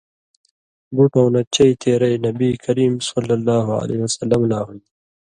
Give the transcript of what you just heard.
بُٹوں نہ چئ تېرئ نبی کریم صلی اللہ علیہ وسلم لا ہُوۡن٘دیۡ۔